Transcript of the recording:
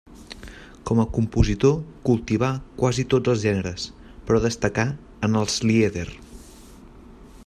Com a compositor cultivà quasi tots els generes, però destacà en els lieder.